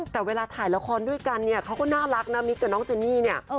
แต่เวลาถ่ายละครด้วยกันเนี่ยเขาก็น่ารักนะมิกกับน้องเจนี่เนี่ย